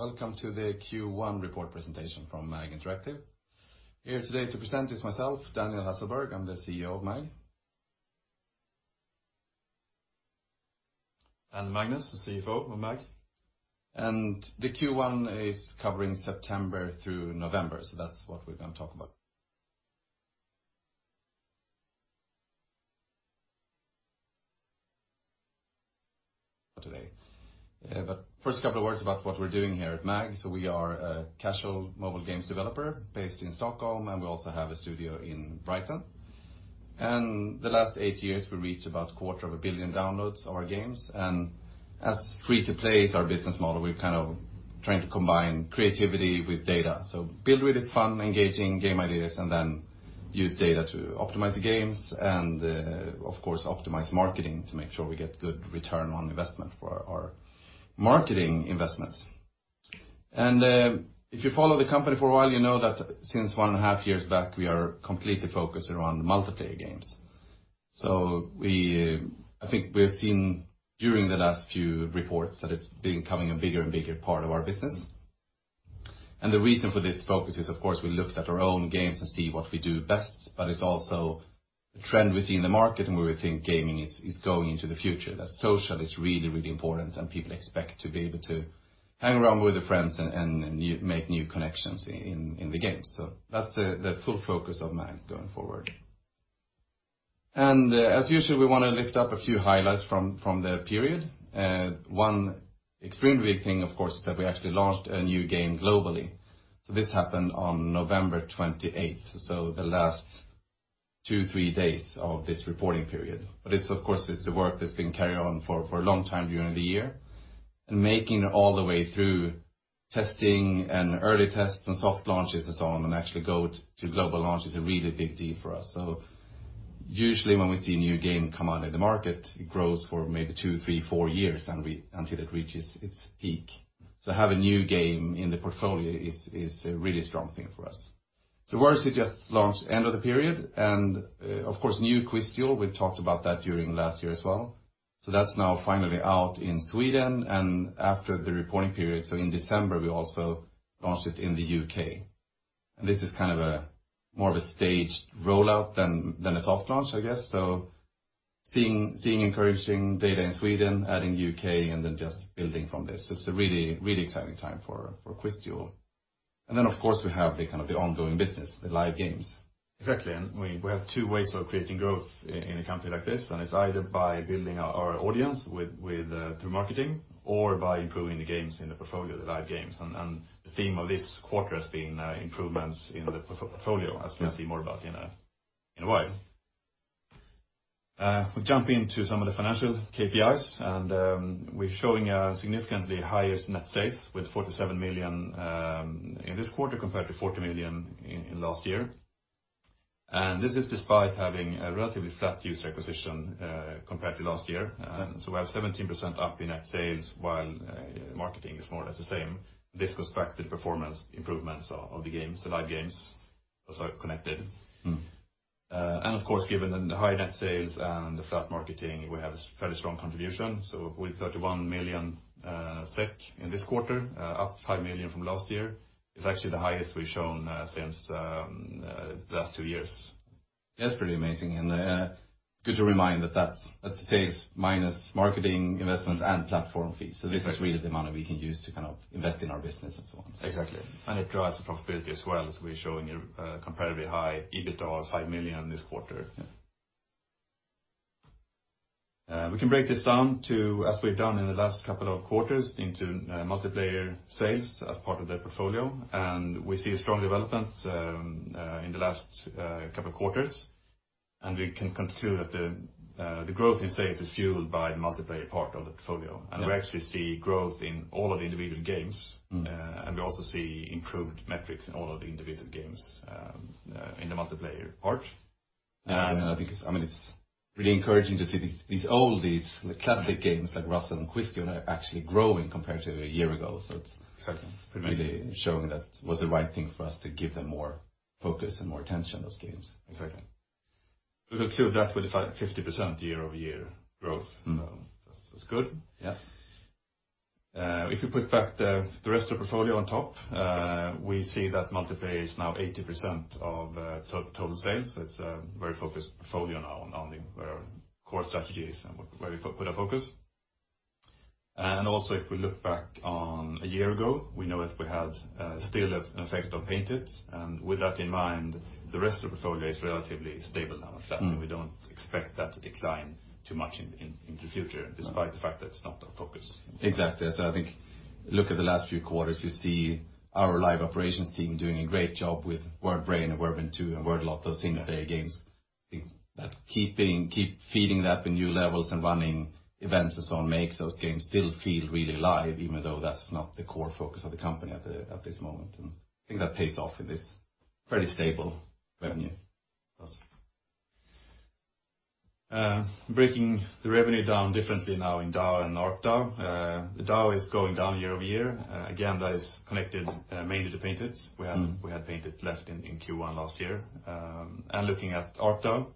Hello, welcome to the Q1 report presentation from MAG Interactive. Here today to present is myself, Daniel Hasselberg. I'm the CEO of MAG. Magnus, the CFO of MAG. The Q1 is covering September through November, so that's what we're going to talk about today. First, a couple of words about what we're doing here at MAG. We are a casual mobile games developer based in Stockholm, and we also have a studio in Brighton. In the last eight years, we reached about a quarter of a billion downloads of our games. As free-to-play is our business model, we're trying to combine creativity with data. Build really fun, engaging game ideas, and then use data to optimize the games and, of course, optimize marketing to make sure we get good return on investment for our marketing investments. If you follow the company for a while, you know that since one and a half years back, we are completely focused around multiplayer games. I think we're seeing during the last few reports that it's becoming a bigger and bigger part of our business. The reason for this focus is, of course, we looked at our own games to see what we do best, but it's also a trend we see in the market, and where we think gaming is going into the future, that social is really important and people expect to be able to hang around with their friends and make new connections in the game. That's the full focus of MAG going forward. As usual, we want to lift up a few highlights from the period. One extremely big thing, of course, is that we actually launched a new game globally. This happened on November 28th, the last two, three days of this reporting period. It's, of course, the work that's been carried on for a long time during the year. Making it all the way through testing and early tests and soft launches and so on and actually go to global launch is a really big deal for us. Usually when we see a new game come out in the market, it grows for maybe two, three, four years until it reaches its peak. Having a new game in the portfolio is a really strong thing for us. Wordzee just launched end of the period. Of course, new QuizDuel, we've talked about that during last year as well. That's now finally out in Sweden and after the reporting period, so in December, we also launched it in the U.K. This is kind of more of a staged rollout than a soft launch, I guess. Seeing encouraging data in Sweden, adding U.K., and then just building from this, it's a really exciting time for QuizDuel. Then, of course, we have the ongoing business, the live games. Exactly. We have two ways of creating growth in a company like this, and it's either by building our audience through marketing or by improving the games in the portfolio, the live games. The theme of this quarter has been improvements in the portfolio, as we'll see more about in a while. If we jump into some of the financial KPIs, we're showing a significantly higher net sales with 47 million in this quarter compared to 40 million in last year. This is despite having a relatively flat user acquisition compared to last year. We have 17% up in net sales while marketing is more or less the same. This constructed performance improvements of the live games are connected. Of course, given the high net sales and the flat marketing, we have a fairly strong contribution. With 31 million SEK in this quarter, up 5 million from last year, it's actually the highest we've shown since the last two years. That's pretty amazing. Good to remind that that's sales minus marketing investments and platform fees. This is really the money we can use to invest in our business and so on. Exactly. It drives the profitability as well. We're showing a comparatively high EBITDA of 5 million this quarter. Yeah. We can break this down to, as we've done in the last couple of quarters, into multiplayer sales as part of their portfolio, and we see a strong development in the last couple of quarters, and we can conclude that the growth in sales is fueled by the multiplayer part of the portfolio. Yeah. We actually see growth in all of the individual games. We also see improved metrics in all of the individual games in the multiplayer part. Yeah, I think it's really encouraging to see all these classic games like Ruzzle and QuizDuel are actually growing compared to a year ago. Exactly. It's pretty amazing really showing that it was the right thing for us to give them more focus and more attention to those games. Exactly. We conclude that with a 50% year-over-year growth, so that's good. Yeah. We put back the rest of the portfolio on top, we see that multiplayer is now 80% of total sales. It's a very focused portfolio now on where our core strategy is and where we put our focus. Also if we look back on a year ago, we know that we had still an effect on Paint Hit, and with that in mind, the rest of the portfolio is relatively stable now, flat. We don't expect that to decline too much in the future despite the fact that it's not our focus. Exactly. I think look at the last few quarters, you see our live operations team doing a great job with WordBrain and Word Hunt 2 and Wordalot, single-player games, that keep feeding that with new levels and running events and so on makes those games still feel really live, even though that's not the core focus of the company at this moment. I think that pays off in this fairly stable revenue. Breaking the revenue down differently now in DAU and ARPDAU. The DAU is going down year-over-year. Again, that is connected mainly to Paint Hit. We had Paint Hit left in Q1 last year. Looking at ARPDAU.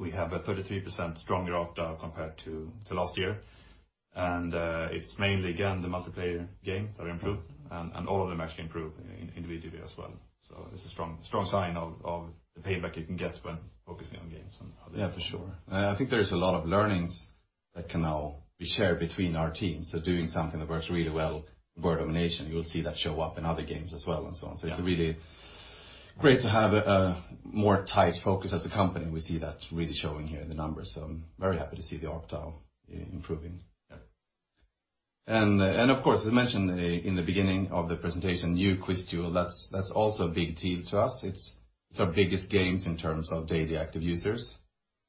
We have a 33% stronger ARPDAU compared to last year. It's mainly, again, the multiplayer games that improved, and all of them actually improved individually as well. This is a strong sign of the payback you can get when focusing on games. Yeah, for sure. I think there is a lot of learnings that can now be shared between our teams. Doing something that works really well, Word Domination, you'll see that show up in other games as well and so on. It's really great to have a more tight focus as a company. We see that really showing here in the numbers. I'm very happy to see the ARPDAU improving. Yeah. Of course, as mentioned in the beginning of the presentation, new QuizDuel that's also a big deal to us. It's our biggest game in terms of daily active users.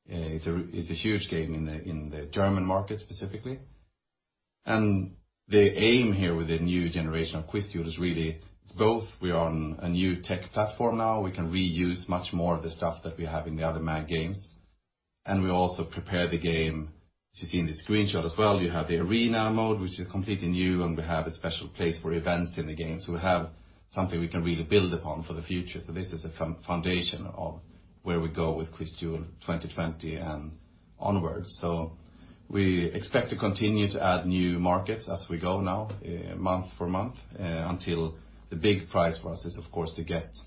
It's a huge game in the German market specifically. The aim here with the new generation of QuizDuel is really, both we are on a new tech platform now. We can reuse much more of the stuff that we have in the other MAG games. We also prepare the game to see in this screenshot as well. You have the arena mode, which is completely new, and we have a special place for events in the game. We have something we can really build upon for the future. This is a foundation of where we go with QuizDuel 2020 and onwards. We expect to continue to add new markets as we go now, month for month, until the big prize for us is, of course, to get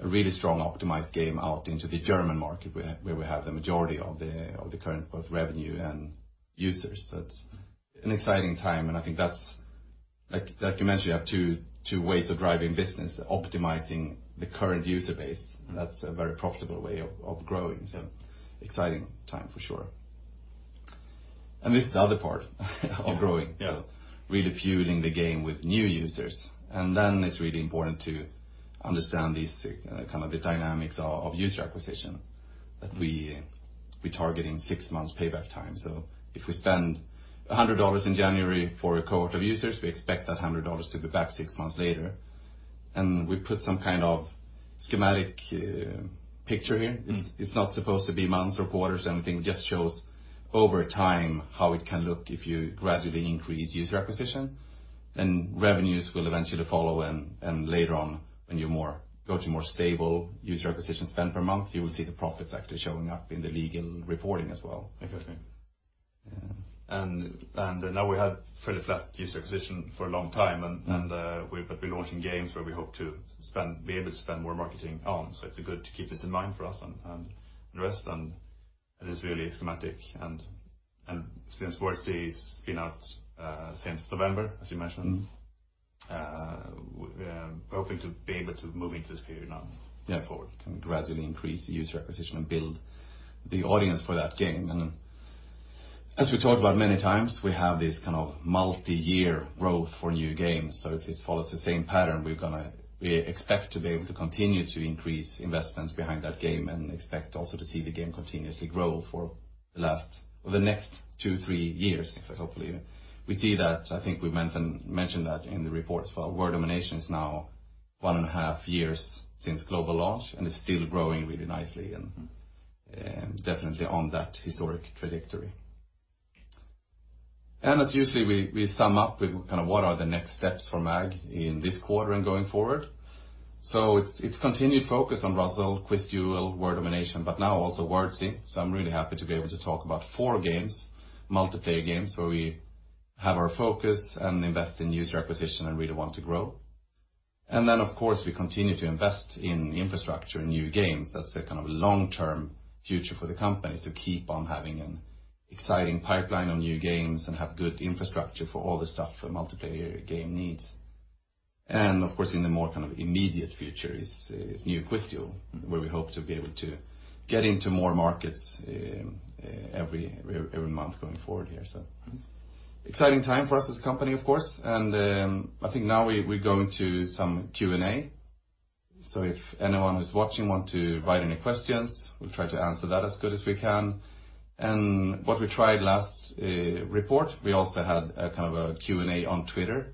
a really strong optimized game out into the German market, where we have the majority of the current both revenue and users. It's an exciting time, and I think that's, like you mentioned, you have two ways of driving business, optimizing the current user base. That's a very profitable way of growing. Exciting time for sure. This is the other part of growing. Yeah. Really fueling the game with new users. It's really important to understand these kind of the dynamics of user acquisition that we target in 6 months payback time. If we spend SEK 100 in January for a cohort of users, we expect that SEK 100 to be back 6 months later. We put some kind of schematic picture here. It's not supposed to be months or quarters or anything, just shows over time how it can look if you gradually increase user acquisition. Revenues will eventually follow and, later on when you go to more stable user acquisition spend per month, you will see the profits actually showing up in the legal reporting as well. Exactly. Now we had fairly flat user acquisition for a long time and we've been launching games where we hope to be able to spend more marketing on. It's good to keep this in mind for us and the rest. It is really schematic and since Wordzee has been out since November, as you mentioned, we are hoping to be able to move into this period now forward. Yeah. Can gradually increase user acquisition and build the audience for that game. As we talked about many times, we have this kind of multi-year growth for new games. If it follows the same pattern, we expect to be able to continue to increase investments behind that game and expect also to see the game continuously grow for the next two, three years. Exactly. Hopefully. We see that, I think we mentioned that in the reports for our Word Domination is now one and a half years since global launch, and it's still growing really nicely and definitely on that historic trajectory. As usually, we sum up with kind of what are the next steps for MAG in this quarter and going forward. It's continued focus on Ruzzle, QuizDuel, Word Domination, but now also Wordzee. I'm really happy to be able to talk about four games, multiplayer games, where we have our focus and invest in user acquisition and really want to grow. Of course, we continue to invest in infrastructure and new games. That's the kind of long-term future for the company is to keep on having an exciting pipeline of new games and have good infrastructure for all the stuff a multiplayer game needs. Of course, in the more kind of immediate future is new QuizDuel, where we hope to be able to get into more markets every month going forward here. Exciting time for us as a company, of course, and I think now we go into some Q&A. If anyone who's watching want to write any questions, we'll try to answer that as good as we can. What we tried last report, we also had a kind of a Q&A on Twitter.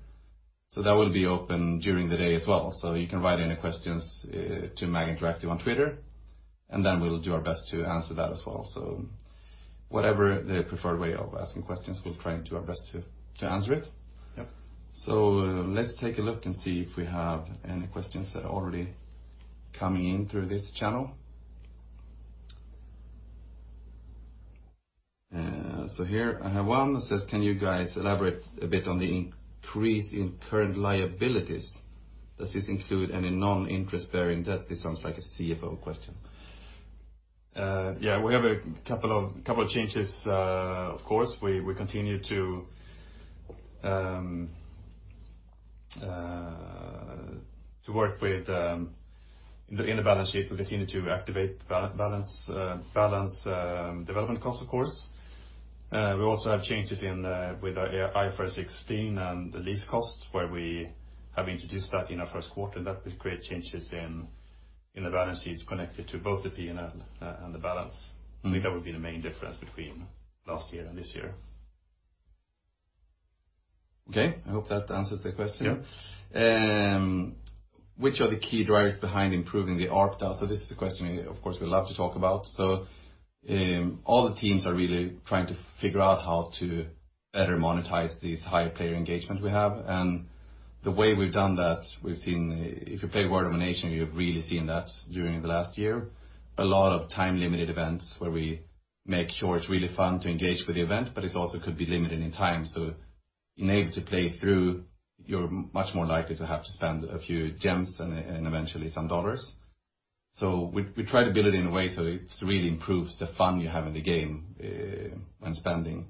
That will be open during the day as well. You can write any questions to MAG Interactive on Twitter, and then we'll do our best to answer that as well. Whatever the preferred way of asking questions, we'll try and do our best to answer it. Yep. Let's take a look and see if we have any questions that are already coming in through this channel. Here I have one that says: "Can you guys elaborate a bit on the increase in current liabilities? Does this include any non-interest-bearing debt?" This sounds like a CFO question. Yeah, we have a couple of changes, of course. In the balance sheet, we continue to activate balance development cost, of course. We also have changes with our IFRS 16 and the lease costs, where we have introduced that in our first quarter. That will create changes in the balance sheets connected to both the P&L and the balance. I think that would be the main difference between last year and this year. Okay. I hope that answers the question. Yeah. Which are the key drivers behind improving the ARPDAU? This is a question, of course, we love to talk about. All the teams are really trying to figure out how to better monetize these higher player engagement we have. The way we've done that, if you play Word Domination, you've really seen that during the last year, a lot of time-limited events where we make sure it's really fun to engage with the event, but it also could be limited in time, so in able to play through, you're much more likely to have to spend a few gems and eventually some SEK. We try to build it in a way so it really improves the fun you have in the game and spending.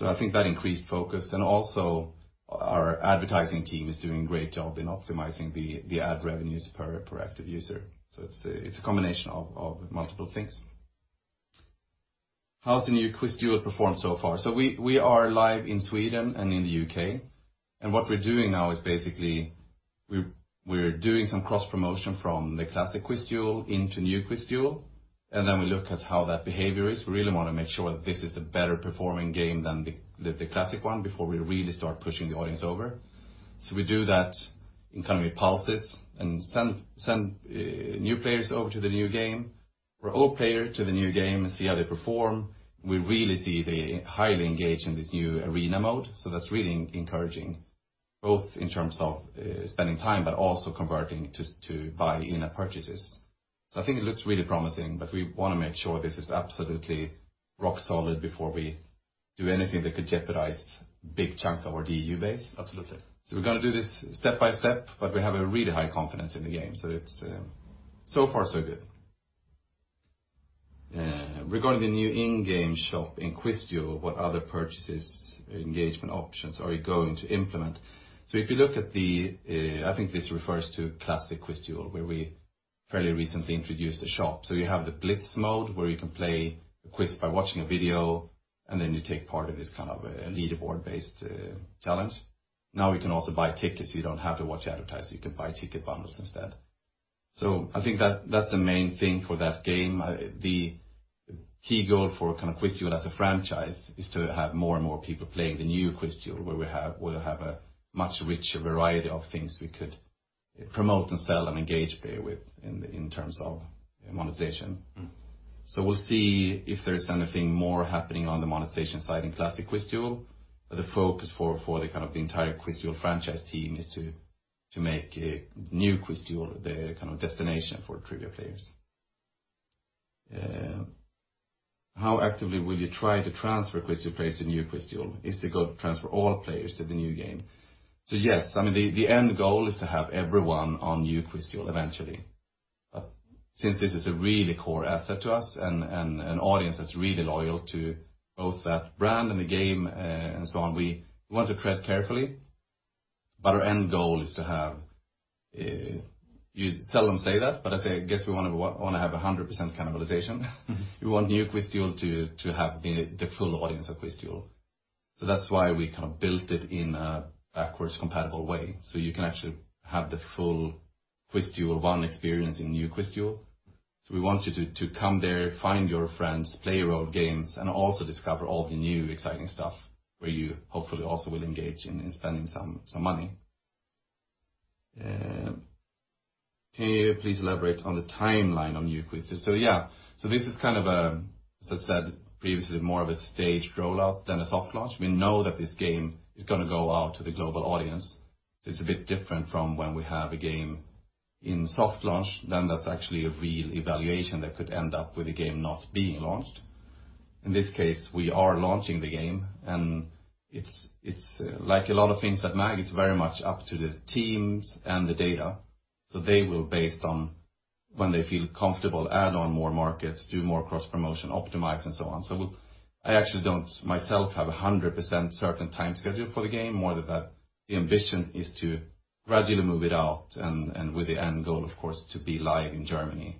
I think that increased focus and also our advertising team is doing a great job in optimizing the ad revenues per active user. It's a combination of multiple things. How has the new QuizDuel performed so far? We are live in Sweden and in the U.K. What we're doing now is basically we're doing some cross-promotion from the classic QuizDuel into new QuizDuel, we look at how that behavior is. We really want to make sure that this is a better performing game than the classic one before we really start pushing the audience over. We do that in kind of pulses and send new players over to the new game or old player to the new game and see how they perform. We really see they highly engage in this new arena mode. That's really encouraging, both in terms of spending time, but also converting to buy in-app purchases. I think it looks really promising, but we want to make sure this is absolutely rock solid before we do anything that could jeopardize big chunk of our DAU base. Absolutely. We're going to do this step-by-step, we have a really high confidence in the game. Far so good. Regarding the new in-game shop in QuizDuel, what other purchases, engagement options are you going to implement? I think this refers to classic QuizDuel, where we fairly recently introduced a shop. You have the blitz mode, where you can play a quiz by watching a video, and then you take part in this kind of a leaderboard-based challenge. Now we can also buy tickets. You don't have to watch advertising. You can buy ticket bundles instead. I think that's the main thing for that game. The key goal for kind of QuizDuel as a franchise is to have more and more people playing the new QuizDuel, where we'll have a much richer variety of things we could promote and sell and engage player with in terms of monetization. We'll see if there's anything more happening on the monetization side in classic QuizDuel. The focus for kind of the entire QuizDuel franchise team is to make a new QuizDuel the kind of destination for trivia players. How actively will you try to transfer QuizDuel players to new QuizDuel? Is the goal to transfer all players to the new game? Yes, I mean, the end goal is to have everyone on new QuizDuel eventually. Since this is a really core asset to us and an audience that's really loyal to both that brand and the game, and so on, we want to tread carefully. You seldom say that, but I say, I guess we want to have 100% cannibalization. We want new QuizDuel to have the full audience of QuizDuel. That's why we kind of built it in a backwards compatible way. You can actually have the full QuizDuel 1 experience in new QuizDuel. We want you to come there, find your friends, play your old games, and also discover all the new exciting stuff where you hopefully also will engage in spending some money. Can you please elaborate on the timeline on new QuizDuel? This is kind of a, as I said previously, more of a staged rollout than a soft launch. We know that this game is going to go out to the global audience. It's a bit different from when we have a game in soft launch, then that's actually a real evaluation that could end up with the game not being launched. In this case, we are launching the game, it's like a lot of things at MAG, it's very much up to the teams and the data. They will, based on when they feel comfortable, add on more markets, do more cross-promotion, optimize, and so on. I actually don't myself have 100% certain time schedule for the game. More that the ambition is to gradually move it out with the end goal, of course, to be live in Germany.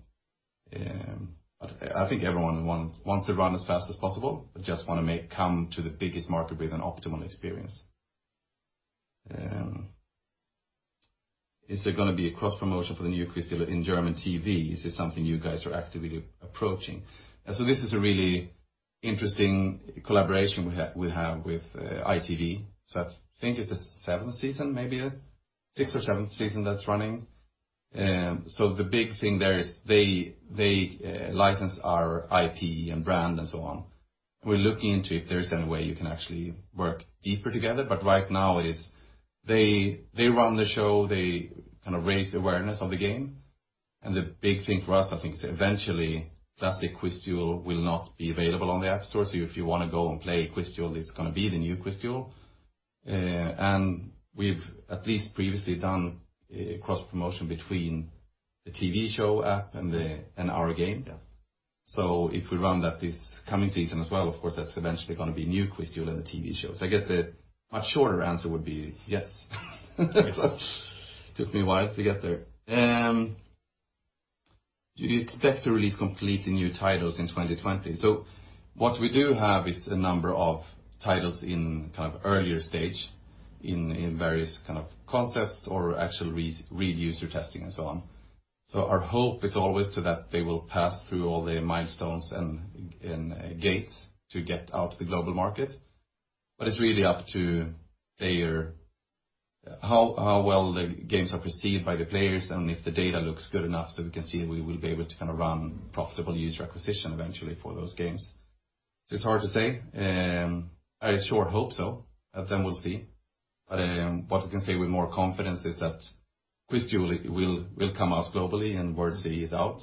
I think everyone wants to run as fast as possible, just want to come to the biggest market with an optimal experience. Is there going to be a cross-promotion for the new QuizDuel in German TV? Is this something you guys are actively approaching? This is a really interesting collaboration we have with ITV. I think it's the seventh season, maybe a sixth or seventh season that's running. The big thing there is they license our IP and brand and so on. We're looking into if there's any way you can actually work deeper together. Right now it is they run the show, they kind of raise awareness of the game. The big thing for us, I think, is eventually classic QuizDuel will not be available on the App Store. If you want to go and play QuizDuel, it's going to be the new QuizDuel. We've at least previously done a cross-promotion between the TV show app and our game. Yeah. If we run that this coming season as well, of course that's eventually going to be new QuizDuel and the TV show. I guess the much shorter answer would be yes. Excellent. Took me a while to get there. Do you expect to release completely new titles in 2020? What we do have is a number of titles in kind of earlier stage in various kind of concepts or actual real user testing and so on. Our hope is always so that they will pass through all the milestones and gates to get out to the global market. It's really up to how well the games are perceived by the players, and if the data looks good enough so we can see we will be able to run profitable user acquisition eventually for those games. It's hard to say. I sure hope so. We'll see. What we can say with more confidence is that QuizDuel will come out globally and Wordzee is out.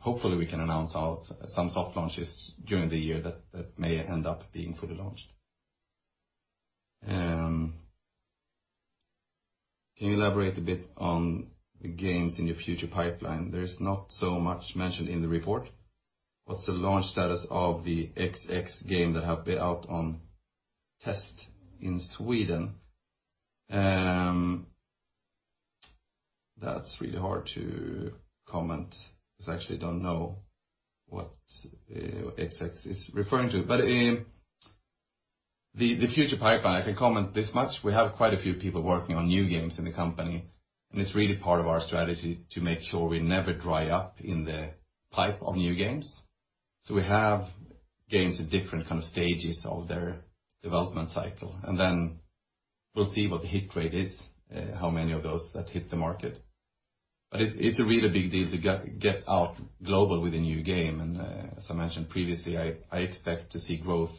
Hopefully we can announce out some soft launches during the year that may end up being fully launched. Can you elaborate a bit on the games in your future pipeline? There is not so much mentioned in the report. What's the launch status of the XX game that have been out on test in Sweden? That's really hard to comment because I actually don't know what XX is referring to, but the future pipeline, I can comment this much. We have quite a few people working on new games in the company, and it's really part of our strategy to make sure we never dry up in the pipe of new games. We have games at different stages of their development cycle, we'll see what the hit rate is, how many of those that hit the market. It's a really big deal to get out global with a new game. As I mentioned previously, I expect to see growth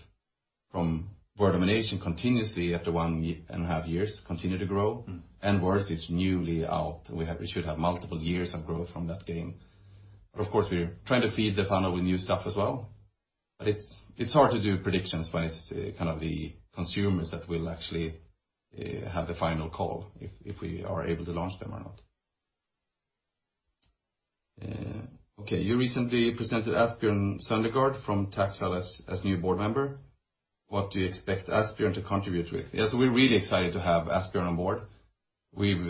from Word Domination continuously after one and a half years, continue to grow. Wordzee is newly out. We should have multiple years of growth from that game. Of course, we're trying to feed the funnel with new stuff as well. It's hard to do predictions when it's the consumers that will actually have the final call if we are able to launch them or not. Okay. You recently presented Asbjørn Søndergaard from Tactile as new board member. What do you expect Asbjørn to contribute with? Yeah. We're really excited to have Asbjørn on board. We've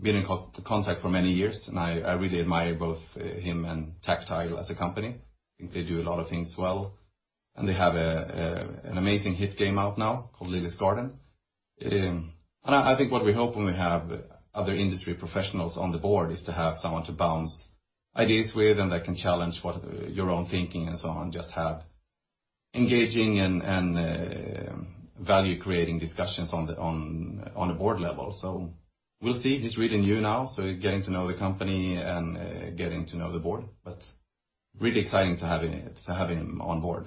been in contact for many years, and I really admire both him and Tactile as a company. I think they do a lot of things well, and they have an amazing hit game out now called Lily's Garden. I think what we hope when we have other industry professionals on the board is to have someone to bounce ideas with and that can challenge your own thinking and so on. Just have engaging and value-creating discussions on the board level. We'll see. He's really new now, so getting to know the company and getting to know the board, but really exciting to have him on board.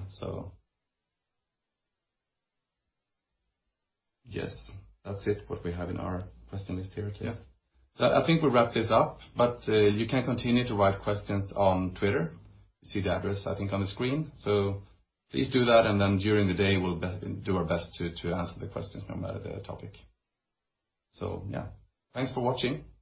Yes, that's it, what we have in our question list here today. Yeah. I think we'll wrap this up, but you can continue to write questions on Twitter. You see the address, I think, on the screen. Please do that, and then during the day, we'll do our best to answer the questions no matter the topic. Yeah, thanks for watching.